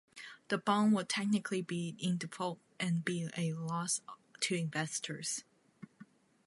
The bond would technically be in default and be a loss to investors.